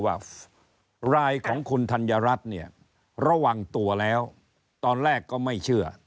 ว่ารายของคุณธัญรัฐเนี่ยระวังตัวแล้วตอนแรกก็ไม่เชื่อ